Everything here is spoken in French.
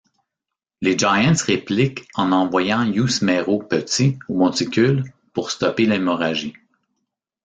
Les Giants répliquent en envoyant Yusmeiro Petit au monticule pour stopper l'hémorrhagie.